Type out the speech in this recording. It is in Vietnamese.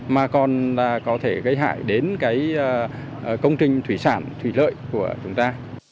mà còn là có thể gây hại đến cái công trình thủy sản thủy lợi của chúng ta